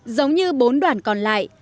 giống như bốn đoàn còn lại